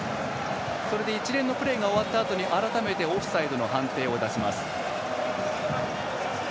それで一連のプレーが終わったあとに改めてオフサイドの判定を出します。